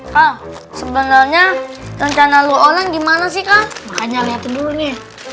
kau sebenarnya rencana lu orang gimana sih kan makanya lihat dulu nih